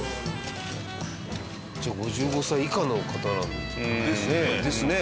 じゃあ５５歳以下の方なんですね。